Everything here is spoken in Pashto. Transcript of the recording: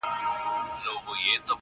زاهده مه راوړه محفل ته توبه ګاري کیسې،